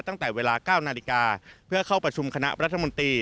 ตั้งแต่เวลา๙นาฬิกาเพื่อเข้าประชุมคณะรัฐมนตรี